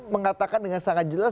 mengatakan dengan sangat jelas